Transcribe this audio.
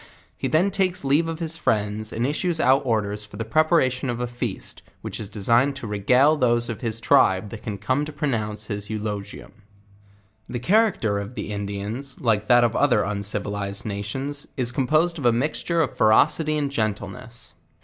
He then takes leave of his friends, and issues out orders for the preparation of a feast, which is designed to regale those of his .tribe .that can come to pronounce his 104 JOURNAL OF The character of the Indians, like that of other uncivili zed nations, is composed ot' a mixture of ferocity and gentle ness.